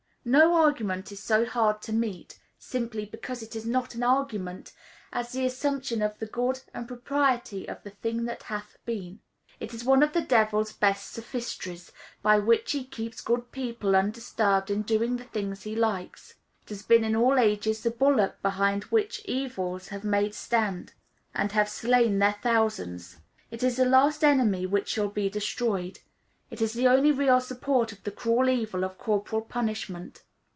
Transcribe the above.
No argument is so hard to meet (simply because it is not an argument) as the assumption of the good and propriety of "the thing that hath been." It is one of the devil's best sophistries, by which he keeps good people undisturbed in doing the things he likes. It has been in all ages the bulwark behind which evils have made stand, and have slain their thousands. It is the last enemy which shall be destroyed. It is the only real support of the cruel evil of corporal punishment.